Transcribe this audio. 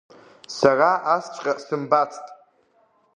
Сара асҵәҟьа сымбацт!